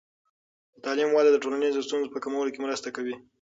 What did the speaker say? د تعلیم وده د ټولنیزو ستونزو په کمولو کې مرسته کوي.